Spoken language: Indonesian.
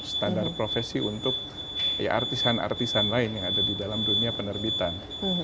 standar profesi untuk artisan artisan lain yang ada di dalam dunia penerbitan